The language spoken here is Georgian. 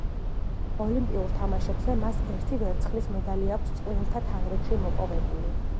ოლიმპიურ თამაშებზე, მას ერთი ვერცხლის მედალი აქვს წყვილთა თანრიგში მოპოვებული.